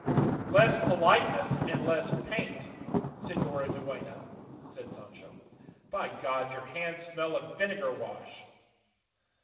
"Less politeness and less paint, señora duenna," said Sancho; "by God your hands smell of vinegar wash."